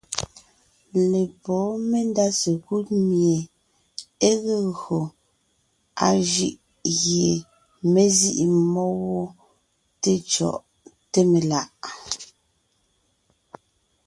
Lepwóon mendá sekúd mie é ge gÿo a jʉʼ gie mé zîʼi mmó wó gwɔ té cyɔ̀ʼ, té melà’.